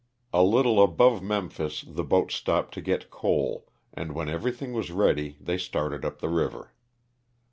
A little above Memphis the boat stopped to get coal, and when everything was ready they started up the river.